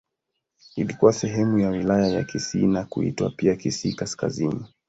Ilikuwa sehemu ya Wilaya ya Kisii na kuitwa pia Kisii Kaskazini.